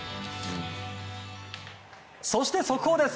そして速報です。